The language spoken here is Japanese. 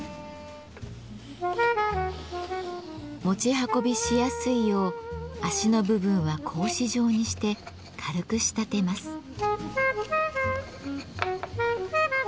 持ち運びしやすいよう脚の部分は格子状にして軽く仕立てます。